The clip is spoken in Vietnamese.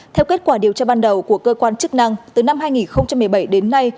theo kết quả điều tra ban đầu của cơ quan chức năng từ năm hai nghìn một mươi bảy đến nay